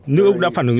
nữ úc đã phản ứng rằng